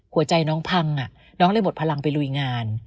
หัวใจน้องพังน้องเลยหมดพลังไปลุยงาน